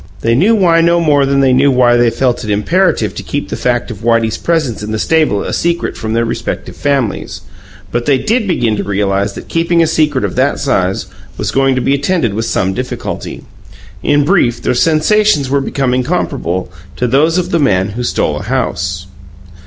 They knew why no more than they knew why they felt it imperative to keep the fact of Whitey's presence in the stable a secret from their respective families; but they did begin to realize that keeping a secret of that size was going to be attended with some difficulty. In brief, their sensations were becoming comparable to those of the man who stole a house.